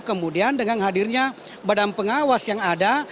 kemudian dengan hadirnya badan pengawas yang ada